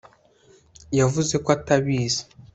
yavuze ko atabizi